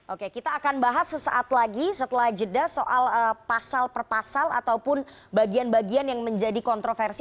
oke kita akan bahas sesaat lagi setelah jeda soal pasal per pasal ataupun bagian bagian yang menjadi kontroversi